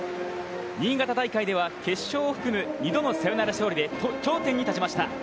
新潟大会では、決勝を含む２度のサヨナラ勝利で頂点に立ちました。